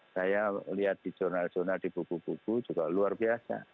saya lihat di jurnal jurnal di buku buku juga luar biasa